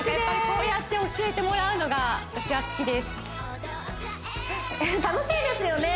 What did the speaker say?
こうやって教えてもらうのが私は好きです楽しいですよね